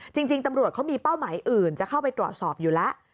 จริงตำรวจเขามีเป้าหมายอื่นจะเข้าไปตรวจสอบอยู่แล้ว